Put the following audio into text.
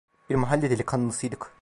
Bir mahalle delikanlısıydık.